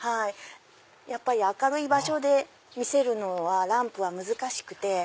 やっぱり明るい場所で見せるのはランプは難しくて。